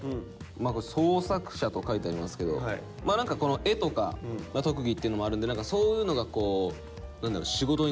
「創作者」と書いてありますけどまあ何かこの絵とかが特技ってのもあるんで何かそういうのがこう何だろ仕事になっていったらいいなっていう。